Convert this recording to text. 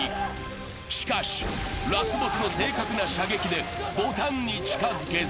しかし、ラスボスの正確な射撃でボタンに近づけず。